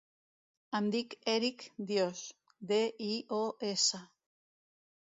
Em dic Èric Dios: de, i, o, essa.